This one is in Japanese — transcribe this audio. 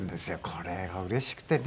これがうれしくてね。